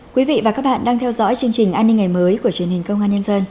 quý vị và các bạn đang theo dõi chương trình an ninh ngày mới của truyền hình công an nhân dân